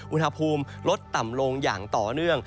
อุณหภูมิลดต่ำลงอย่างต่อเนื่อง